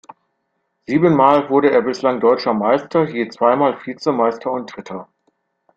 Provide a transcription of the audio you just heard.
Siebenmal wurde er bislang Deutscher Meister, je zweimal Vizemeister und Dritter.